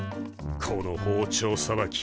この包丁さばき